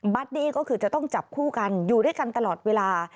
ดี้ก็คือจะต้องจับคู่กันอยู่ด้วยกันตลอดเวลา